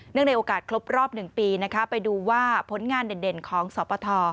ในโอกาสครบรอบ๑ปีนะคะไปดูว่าผลงานเด่นของสปท